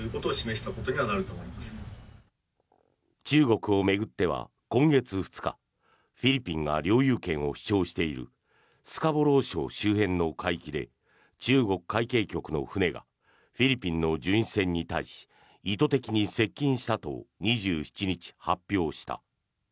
中国を巡っては今月２日フィリピンが領有権を主張しているスカボロー礁周辺の海域で中国海警局の船がフィリピンの巡視船に対し意図的に接近したと２７日、発表した。